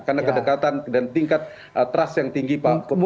karena kedekatan dan tingkat trust yang tinggi pak